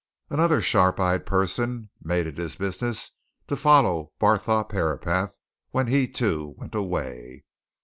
Another sharp eyed person made it his business to follow Barthorpe Herapath when he, too, went away.